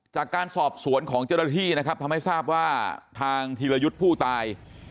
จากการสอบสวนของเจ้าหน้าที่นะครับทำให้ทราบว่าทางธีรยุทธ์ผู้ตาย